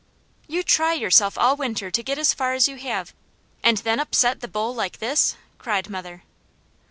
"You try yourself all winter to get as far as you have, and then upset the bowl like this?" cried mother.